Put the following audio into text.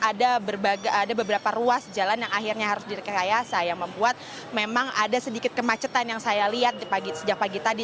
ada beberapa ruas jalan yang akhirnya harus direkayasa yang membuat memang ada sedikit kemacetan yang saya lihat sejak pagi tadi